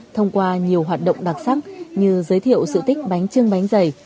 thông qua nhiều hoạt động đặc sắc như giới thiệu sự tích bánh trưng bánh dày